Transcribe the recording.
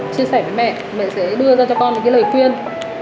chia sẻ với mẹ mình sẽ đưa ra cho con những cái lời khuyên